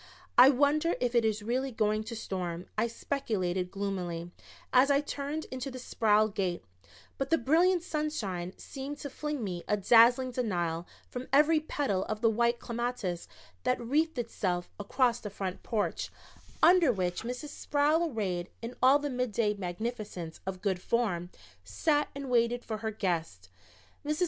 "I wonder if it is really going to storm," I speculated gloomily, as I turned into the Sproul gate, but the brilliant sunshine seemed to fling me a dazzling denial from every petal of the white clematis that wreathed itself across the front porch, under which Mrs. Sproul, arrayed in all the midday magnificence of good form, sat and waited for her guests. Mrs.